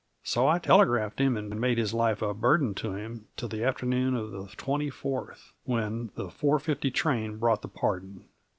So I telegraphed him and made his life a burden to him till the afternoon of the 24th, when the 4:50 train brought the pardon.